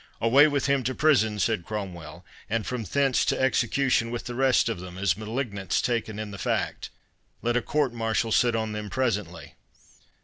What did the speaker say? "Away with him to prison!" said Cromwell; "and from thence to execution with the rest of them, as malignants taken in the fact. Let a courtmartial sit on them presently."